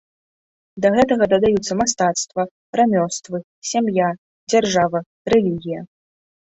Да гэтага дадаюцца мастацтва, рамёствы, сям'я, дзяржава, рэлігія.